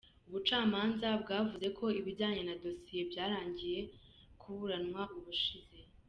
Ubucamanza bwavuze ko ibijyanye na dosiye byarangije kuburanwa ubushize.